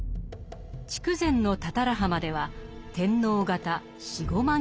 筑前の多々良浜では天皇方４５万